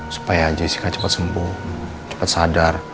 supaya jessica cepat sembuh cepat sadar